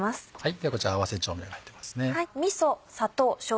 ではこちら合わせ調味料入ってますね。